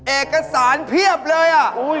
เอกสารเพียบเลย